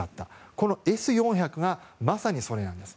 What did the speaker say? このＳ４００がまさにそれなんです。